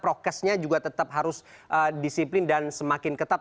prokesnya juga tetap harus disiplin dan semakin ketat